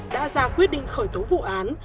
đã ra quyết định khởi tố vụ án